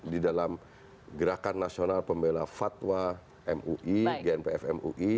di dalam gerakan nasional pembela fatwa mui gnpf mui